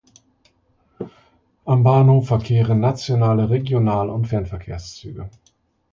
Am Bahnhof verkehren nationale Regional- und Fernverkehrszüge.